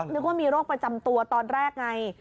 นึกว่ามีโรคประจำตัวตอนแรกไง